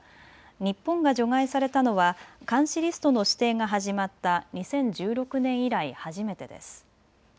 日本が除外されたのは監視リストの指定が始まった２０１６年以来、初めてです。